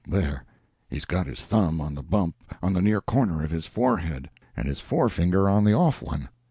There he's got his thumb on the bump on the near corner of his forehead, and his forefinger on the off one.